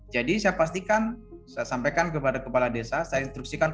jadi saya pastikan saya sampaikan kepada kepala desa saya instruksikan